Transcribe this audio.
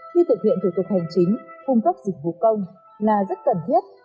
khi thực hiện thủ tục hành chính cung cấp dịch vụ công là rất cần thiết